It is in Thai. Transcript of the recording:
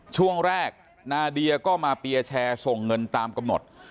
ช่วงแรกนาเดียก็มาเปียร์แชร์ส่งเงินตามกำหนด